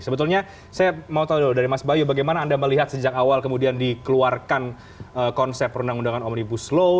sebetulnya saya mau tahu dulu dari mas bayu bagaimana anda melihat sejak awal kemudian dikeluarkan konsep perundang undangan omnibus law